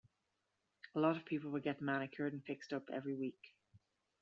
A lot of people would get manicured and fixed up every week.